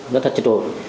rất là chất trội